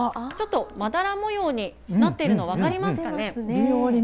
ちょっとまだら模様になっているの、分かりますかね？